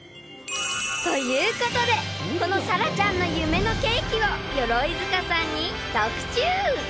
［ということでこの咲愛ちゃんの夢のケーキを鎧塚さんに特注！］